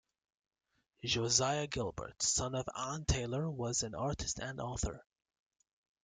Josiah Gilbert, son of Ann Taylor, was an artist and author.